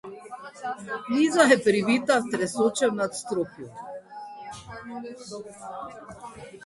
Miza je bila pribita v tresočem nadstropju.